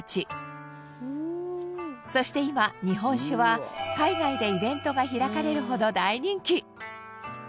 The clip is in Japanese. そして今日本酒は海外でイベントが開かれるほど大人気！